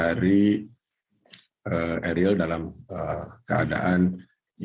w hdb ini kami masih yang melaman dengan anggaran seaman